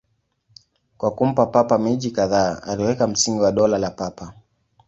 Kwa kumpa Papa miji kadhaa, aliweka msingi wa Dola la Papa.